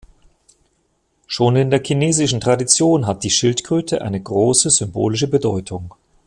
Schon in der chinesischen Tradition hat die Schildkröte eine große symbolische Bedeutung.